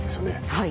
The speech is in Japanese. はい。